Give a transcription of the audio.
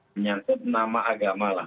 menyangkut nama agama lah